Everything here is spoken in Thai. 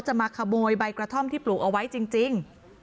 มาขโมยใบกระท่อมที่ปลูกเอาไว้จริง